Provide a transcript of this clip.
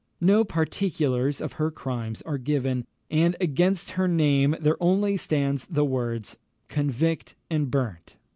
No particulars of her crimes are given, and against her name there only stands the words, "convict and brynt."